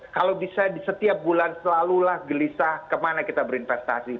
kalau bisa di setiap bulan selalulah gelisah kemana kita berinvestasi